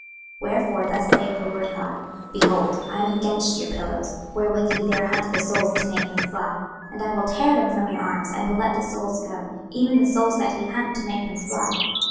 26:013:020 Wherefore thus saith the Lord GOD; Behold, I am against your pillows, wherewith ye there hunt the souls to make them fly, and I will tear them from your arms, and will let the souls go, even the souls that ye hunt to make them fly.